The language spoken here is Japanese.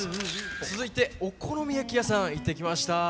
続いてお好み焼き屋さん行ってきました。